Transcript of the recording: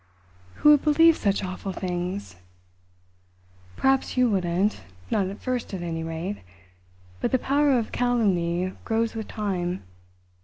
"Who would believe such awful things?" "Perhaps you wouldn't not at first, at any rate; but the power of calumny grows with time.